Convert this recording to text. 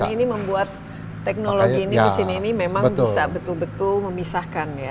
ini membuat teknologi ini mesin ini memang bisa betul betul memisahkan ya